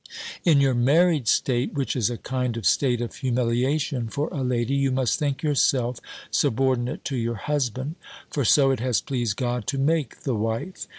"In your married state, which is a kind of state of humiliation for a lady, you must think yourself subordinate to your husband; for so it has pleased God to make the wife.